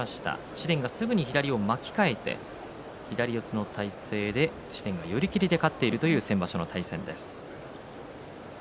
紫雷がすぐに左を巻き替えて左四つの体勢で紫雷が寄り切りで勝っているという先場所の対戦です。